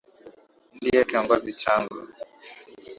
Ndiye Kiongozi changu.